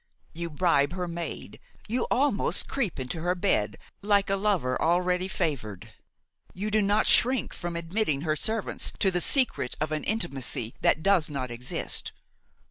You bribe her maid, you almost creep into her bed, like a lover already favored; you do not shrink from admitting her servants to the secret of an intimacy that does not exist.